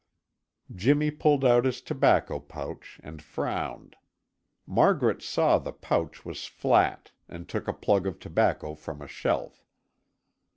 Jimmy pulled out his tobacco pouch and frowned. Margaret saw the pouch was flat and took a plug of tobacco from a shelf.